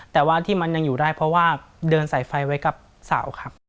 แต่ว่าที่มันยังอยู่ได้เพราะว่าเดินสายไฟไว้กับเสาครับ